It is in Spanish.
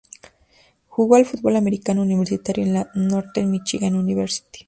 Jugó al fútbol americano universitario en la Northern Michigan University.